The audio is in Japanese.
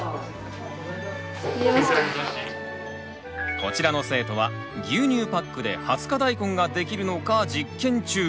こちらの生徒は牛乳パックで二十日大根ができるのか実験中。